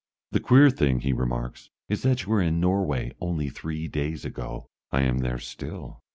"The queer thing," he remarks, "is that you were in Norway only three days ago." "I am there still.